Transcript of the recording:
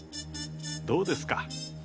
どうです